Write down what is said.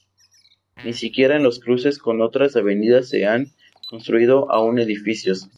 Ni siquiera en los cruces con otras avenidas se han construido aún edificios.